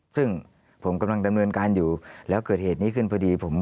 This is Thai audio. ซึ่งผมกำลังดำเนินการอยู่แล้วเกิดเหตุนี้ขึ้นพอดี